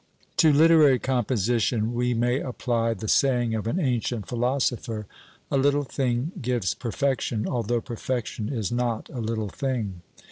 To literary composition we may apply the saying of an ancient philosopher: "A little thing gives perfection, although perfection is not a little thing."